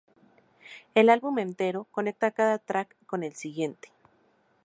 El álbum entero conecta cada track con el siguiente.